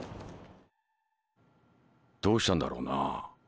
どうしたんだろうな。